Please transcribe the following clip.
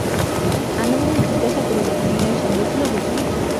আনন্দময়ী জিজ্ঞাসা করিলেন, বিনয় সঙ্গে ছিল বুঝি?